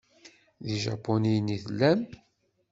D ijapuniyen i tellam?